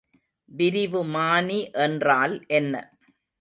விரிவுமானி என்றால் என்ன?